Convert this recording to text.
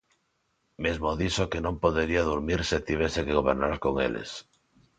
Mesmo dixo que non podería durmir se tivese que gobernar con eles.